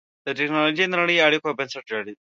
ټکنالوجي د نړۍ د اړیکو بنسټ دی.